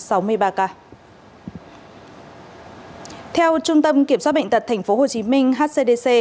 theo trung tâm kiểm soát bệnh tật tp hcm hcdc